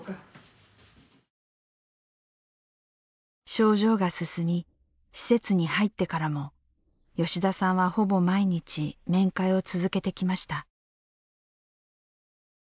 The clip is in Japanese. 症状が進み、施設に入ってからも吉田さんは、ほぼ毎日面会を続けてきました。